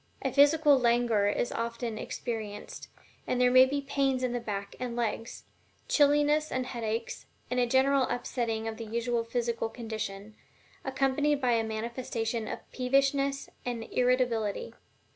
A physical languor is often experienced, and there may be pains in the back and legs, chilliness and headaches, and a general upsetting of the usual physical condition, accompanied by a manifestation of peevishness and irritability.